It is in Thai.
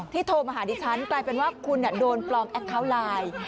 โทรมาหาดิฉันกลายเป็นว่าคุณโดนปลอมแอคเคาน์ไลน์